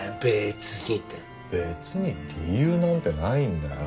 別に理由なんてないんだよ。